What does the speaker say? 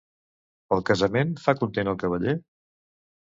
El casament fa content al cavaller?